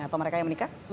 atau mereka yang menikah